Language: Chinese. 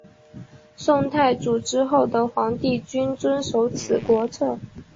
宋太祖之后的皇帝均遵守此国策。